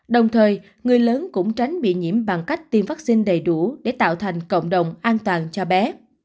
đồng thời người lớn cũng tránh bị nhiễm bằng cách tiêm vaccine đầy đủ để tạo thành cộng đồng an toàn cho bé